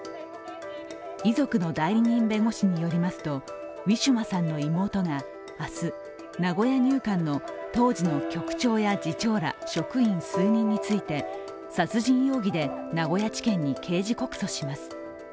遺族の代理人弁護士によりますと、ウィシュマさんの妹が明日名古屋入管の当時の局長や次長ら職員数人について殺人容疑で名古屋地検に刑事告訴します。